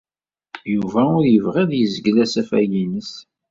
Yuba ur yebɣi ad yezgel asafag-nnes.